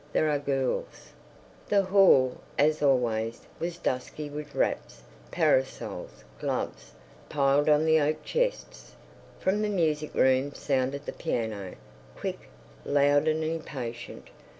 There are girls—" The hall, as always, was dusky with wraps, parasols, gloves, piled on the oak chests. From the music room sounded the piano, quick, loud and impatient.